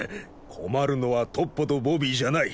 困るのはトッポとボビーじゃない。